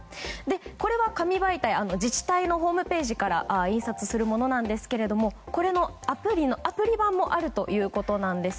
これは紙媒体で自治体のホームページから印刷するものなんですがこれのアプリ版もあるということなんです。